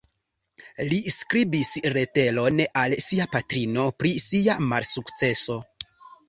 Li skribis leteron al sia patrino, pri sia malsukceso.